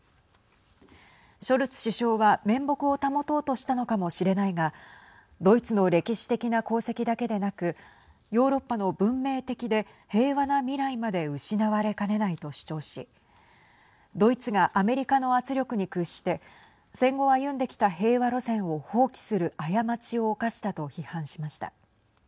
ショルツ首相は面目を保とうとしたのかもしれないがドイツの歴史的な功績だけでなくヨーロッパの文明的で平和な未来まで失われかねないと主張しドイツがアメリカの圧力に屈して戦後歩んできた平和路線を放棄する過ちを犯したと批判しました。